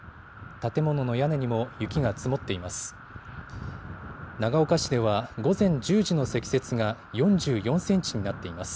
建物の屋根にも雪が積もっています。